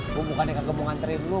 gua bukannya kegembung anterin lu